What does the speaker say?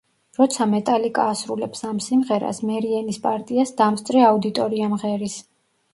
როცა მეტალიკა ასრულებს ამ სიმღერას, მერიენის პარტიას დამსწრე აუდიტორია მღერის.